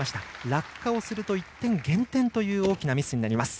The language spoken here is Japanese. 落下をすると１点減点という大きなミスになります。